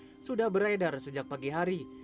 ini sudah beredar sejak pagi hari